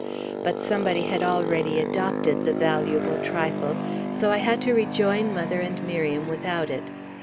But somebody had already adopted the valuable trifle, so I had to rejoin mother and Miriam without it.